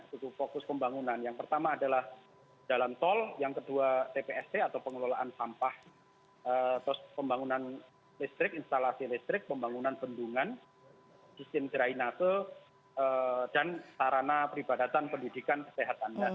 cukup fokus pembangunan yang pertama adalah jalan tol yang kedua tpst atau pengelolaan sampah pembangunan listrik instalasi listrik pembangunan bendungan sistem drainase dan sarana peribadatan pendidikan kesehatan